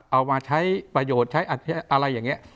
เอามาใช้ประโยชน์ใช้อะไรอย่างนี้